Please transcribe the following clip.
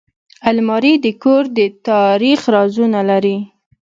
الماري د کور د تاریخ رازونه لري